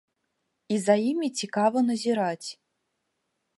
І за імі цікава назіраць.